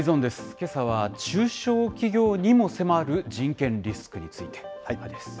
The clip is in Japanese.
けさは中小企業にも迫る人権リスクについてなんです。